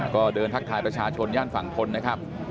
ก็เดินทักทายประชาชนย่านฝั่งทนนะครับ